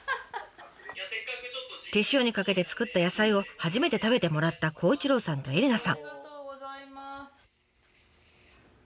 手塩にかけて作った野菜を初めて食べてもらった孝一郎さんと恵里奈さん。